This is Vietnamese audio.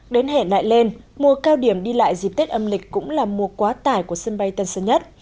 đến hẹn lại lên mùa cao điểm đi lại dịp tết âm lịch cũng là mùa quá tải của sân bay tân sơn nhất